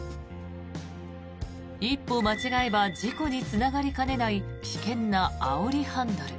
一歩間違えば事故につながりかねない危険なあおりハンドル。